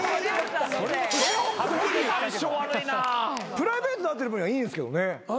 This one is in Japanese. プライベートで会ってる分にはいいんですけどね。